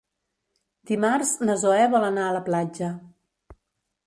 Dimarts na Zoè vol anar a la platja.